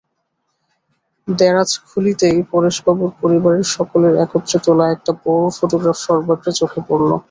দেরাজ খুলিতেই পরেশবাবুর পরিবারের সকলের একত্রে তোলা একটা বড়ো ফোটোগ্রাফ সর্বাগ্রে চোখে পড়িল।